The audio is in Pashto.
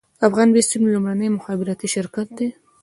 افغان بیسیم لومړنی مخابراتي شرکت دی